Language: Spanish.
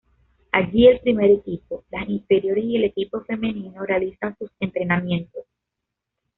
Allí el primer equipo, las inferiores y el equipo femenino realizan sus entrenamientos.